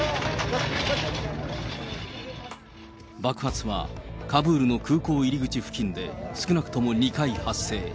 爆発は、カブールの空港入り口付近で、少なくとも２回発生。